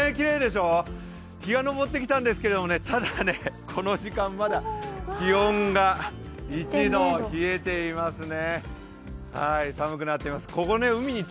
日が昇ってきたんですけどただ、この時間まだ気温が１度、冷えていますね。